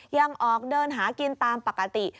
ยังออกเดินหากินตามปกติ